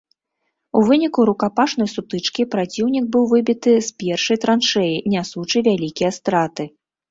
У выніку рукапашнай сутычкі праціўнік быў выбіты з першай траншэі, нясучы вялікія страты.